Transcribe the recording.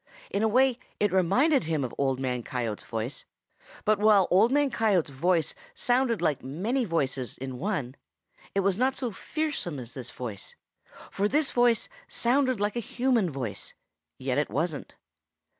In a way it reminded him of Old Man Coyote's voice, but while Old Man Coyote's voice sounded like many voices in one, it was not so fearsome as this voice, for this voice sounded like a human voice, yet wasn't.